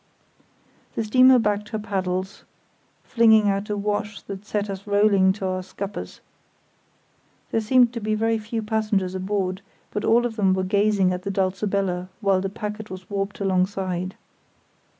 The steamer backed her paddles, flinging out a wash that set us rolling to our scuppers. There seemed to be very few passengers aboard, but all of them were gazing at the Dulcibella while the packet was warped alongside.